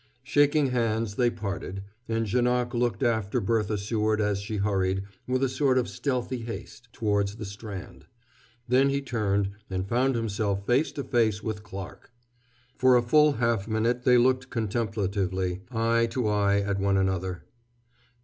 Shaking hands, they parted, and Janoc looked after Bertha Seward as she hurried, with a sort of stealthy haste, towards the Strand. Then he turned, and found himself face to face with Clarke. For a full half minute they looked contemplatively, eye to eye, at one another.